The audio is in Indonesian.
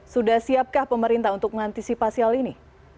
sudah siapkah pemerintah untuk mengantisipasi hal ini